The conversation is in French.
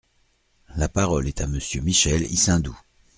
La parole est à Monsieur Michel Issindou.